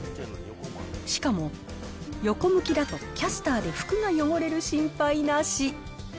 しかも、横向きだとキャスターで服が汚れる心配なし。